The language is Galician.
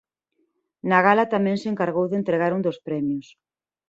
Na gala tamén se encargou de entregar un dos premios.